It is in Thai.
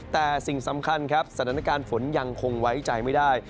แต่สิ่งสำคัญครับสถานการณ์ฝนยังคงไว้ใจไม่ได้